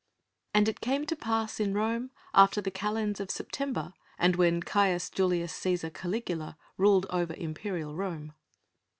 And it came to pass in Rome after the kalends of September, and when Caius Julius Cæsar Caligula ruled over Imperial Rome.